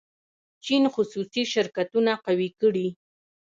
چین خصوصي شرکتونه قوي کړي.